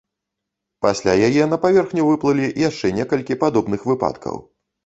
Пасля яе на паверхню выплылі яшчэ некалькі падобных выпадкаў.